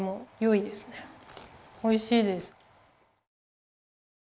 おいしいです。